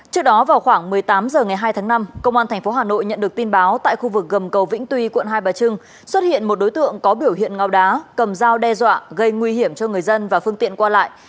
công an tp hà nội nhận được tin báo tại khu vực gầm cầu vĩnh tuy quận hai bà trưng xuất hiện một đối tượng có biểu hiện ngau đá cầm dao đe dọa gây nguy hiểm cho người dân và phương tiện qua lại